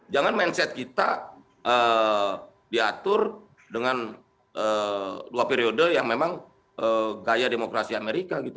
jangan mindset kita diatur dengan dua periode yang memang gaya demokrasi amerika gitu